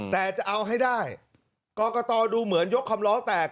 แต่จะเอาให้ได้กรกตดูเหมือนยกคำล้อแตก